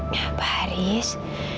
ya pak haris